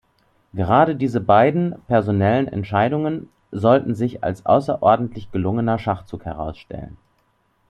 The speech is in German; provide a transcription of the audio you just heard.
Gerade diese beiden personellen Entscheidungen sollten sich als außerordentlich gelungener Schachzug herausstellen.